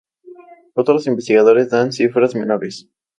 Otros investigadores dan cifras menores.